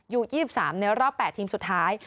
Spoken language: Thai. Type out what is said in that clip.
๒๓ในรอบ๘ทีมสุดท้าย